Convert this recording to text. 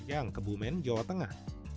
yang kebumen jawa tengah